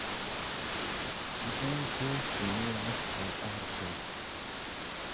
Scienco similas al arto.